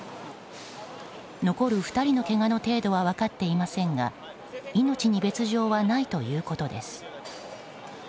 残る２人のけがの程度は分かっていませんが命に別条はないということです。